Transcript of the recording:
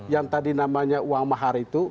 yang tadi namanya uang mahar itu